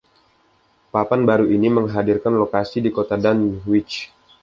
Papan baru ini menghadirkan lokasi di kota Dunwich.